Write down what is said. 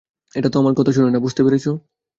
এটা আমার কথা শোনে না, বুঝতে পেরেছ?